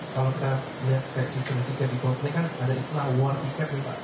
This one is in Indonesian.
kalau kita lihat kayak situ tiket di kodone kan ada war tiket